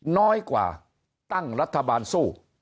น้อยกว่าตั้งรัฐบาลสู้